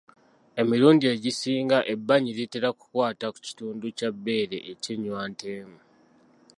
Emirundi egisinga ebbanyi litera kukwata kitundu kya bbeere eky'ennywanto emu.